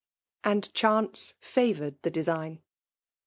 And chance favoured the design.